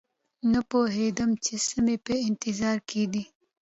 نه پوهېدم چې څه مې په انتظار کې دي